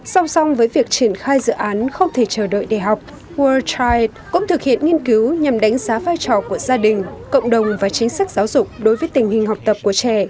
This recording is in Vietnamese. song song với việc triển khai dự án không thể chờ đợi để học world chit cũng thực hiện nghiên cứu nhằm đánh giá vai trò của gia đình cộng đồng và chính sách giáo dục đối với tình hình học tập của trẻ